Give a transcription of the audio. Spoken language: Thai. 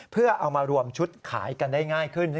เพื่อเอามารวมชุดขายกันได้ง่ายขึ้น